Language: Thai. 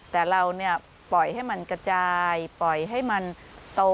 แต่เราปล่อยให้มันกระจายปล่อยให้มันโต